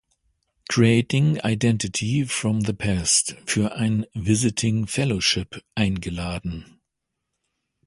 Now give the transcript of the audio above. Creating Identity from the Past" für ein Visiting Fellowship eingeladen.